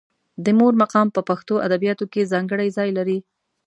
د مور مقام په پښتو ادبیاتو کې ځانګړی ځای لري.